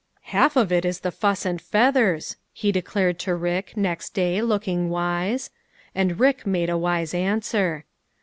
" Half of it is the fuss and feathers," he de clared to Rick, next day, looking wise. And Rick made a wise answer.